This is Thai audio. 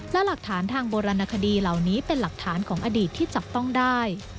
และหลักฐานทางโบราณคดีเหล่านี้เป็นหลักฐานของอดีตที่จับต้องได้